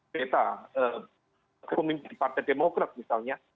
berta komisi partai demokrat misalnya